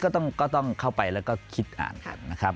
ก็ต้องเข้าไปแล้วก็อย่างนี้อ่านค่ะ